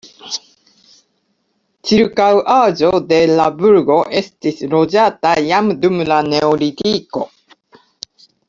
Ĉirkaŭaĵo de la burgo estis loĝata jam dum la neolitiko.